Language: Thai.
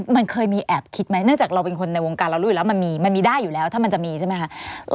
มันเคยมีแอบคิดไหมเนื่องจากเราเป็นคนในวงการเรารู้อยู่แล้วมันมีมันมีได้อยู่แล้วถ้ามันจะมีใช่ไหมคะ